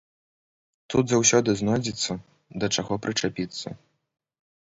Тут заўсёды знойдзецца, да чаго прычапіцца.